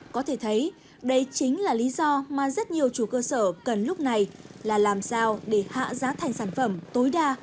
có thể thấy đây chính là lý do mà rất nhiều chủ cơ sở cần lúc này là làm sao để hạ giá thành sản phẩm tối đa